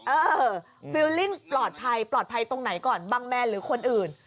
เออฟิลลิ่งปลอดภัยปลอดภัยตรงไหนก่อนบังแมนหรือคนอื่น